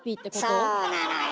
そうなのよ。